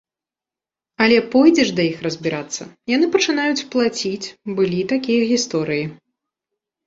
Але пойдзеш да іх разбірацца, яны пачынаюць плаціць, былі і такія гісторыі.